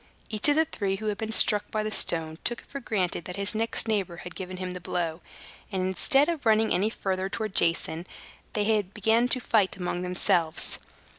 Each of the three who had been struck by the stone took it for granted that his next neighbor had given him a blow; and instead of running any farther towards Jason, they began to fight among themselves.